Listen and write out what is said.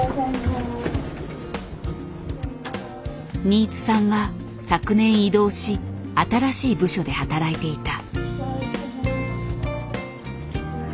新津さんは昨年異動し新しい部署で働いていた。